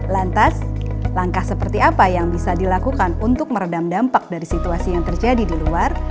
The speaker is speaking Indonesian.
lantas langkah seperti apa yang bisa dilakukan untuk meredam dampak dari situasi yang terjadi di luar